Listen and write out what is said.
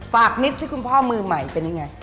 ฝากนิดที่คุณพ่อมือใหม่เป็นอย่างไร